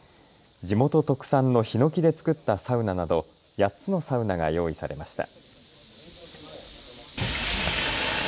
地元特産のひのきで作ったサウナなど８つのサウナが用意されました。